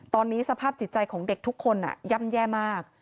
ตอนนี้สภาพจิตใจของเด็กทุกคนย่ำแย่มาก